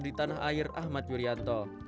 di tanah air ahmad yuryanto